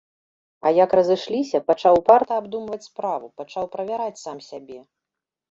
А як разышліся, пачаў упарта абдумваць справу, пачаў правяраць сам сябе.